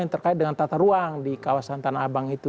yang terkait dengan tata ruang di kawasan tanah abang itu